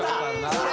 これ！